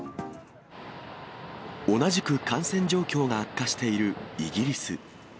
同じく感染状況が悪化しているイギリス。